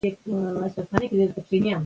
ماشومان تر اوسه ښه لوستي دي.